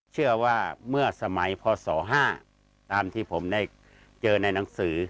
เชื่อว่าเมื่อสมัยพศ๕ตามที่ผมได้เจอในหนังสือ